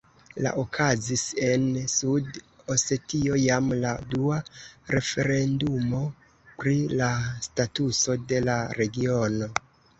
La okazis en Sud-Osetio jam la dua referendumo pri la statuso de la regiono.